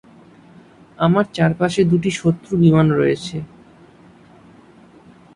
আমার চারপাশে দুটি শত্রু বিমান রয়েছে।